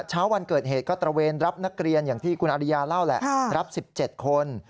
เช้าวันเกิดเหตุก็ตระเวนรับนักเรียนอย่างที่คุณอริยาเล่าแหละรับ๑๗คน